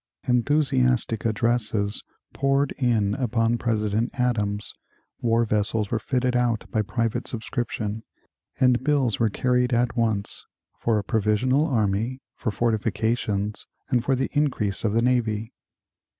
Enthusiastic addresses poured in upon President Adams, war vessels were fitted out by private subscription, and bills were carried at once for a provisional army, for fortifications, and for the increase of the navy.